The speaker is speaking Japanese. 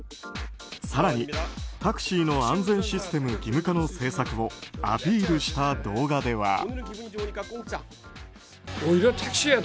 更にタクシーの安全システム義務化の政策をアピールした動画では。